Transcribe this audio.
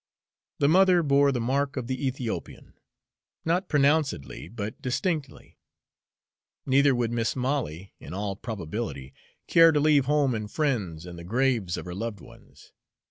The mother bore the mark of the Ethiopian not pronouncedly, but distinctly; neither would Mis' Molly, in all probability, care to leave home and friends and the graves of her loved ones.